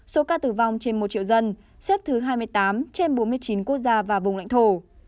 số ca tử vong trên một triệu dân xếp thứ hai mươi tám trên bốn mươi chín quốc gia và vùng lãnh thổ